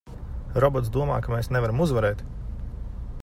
Robots domā, ka mēs nevaram uzvarēt!